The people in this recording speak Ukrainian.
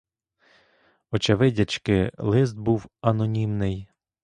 Очевидячки, лист був анонімний.